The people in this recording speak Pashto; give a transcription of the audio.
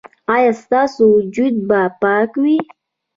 ایا ستاسو وجود به پاک وي؟